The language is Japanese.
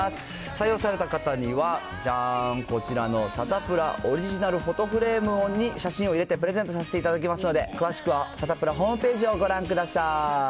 採用された方にはじゃん、こちらのサタプラオリジナルフォトフレームに写真を入れてプレゼントさせていただきますので、詳しくはサタプラホームページをご覧ください。